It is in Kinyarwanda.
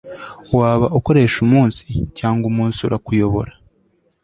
waba ukoresha umunsi, cyangwa umunsi urakuyobora